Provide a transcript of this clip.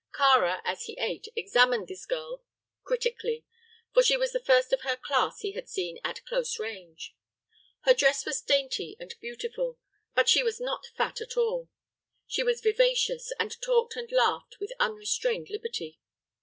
Kāra, as he ate, examined this girl critically, for she was the first of her class he had seen at close range. Her dress was dainty and beautiful; but she was not fat at all. She was vivacious, and talked and laughed with unrestrained liberty.